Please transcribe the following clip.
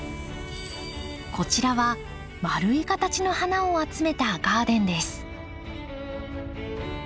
こちらはまるい形の花を集めたガーデンです。